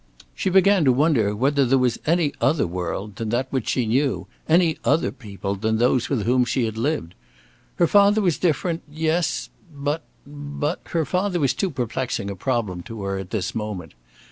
She began to wonder whether there was any other world than that which she knew, any other people than those with whom she had lived. Her father was different yes, but but Her father was too perplexing a problem to her at this moment.